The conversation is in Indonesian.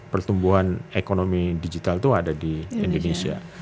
pertumbuhan ekonomi digital itu ada di indonesia